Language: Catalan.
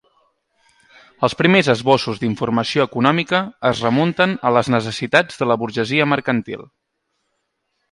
Els primers esbossos d'informació econòmica es remunten a les necessitats de la burgesia mercantil europea.